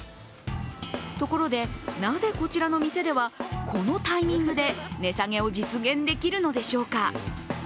ところで、なぜこちらの店ではこのタイミングで値下げを実現できるのでしょうか。